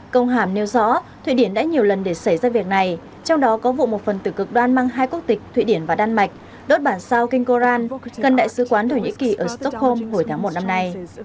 công hàm nêu rõ thụy điển đã nhiều lần để xảy ra việc này trong đó có vụ một phần tử cực đoan mang hai quốc tịch thụy điển và đan mạch đốt bản sao kinh koran gần đại sứ quán thổ nhĩ kỳ ở stockholm hồi tháng một năm nay